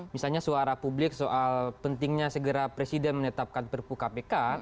misalnya suara publik soal pentingnya segera presiden menetapkan perpu kpk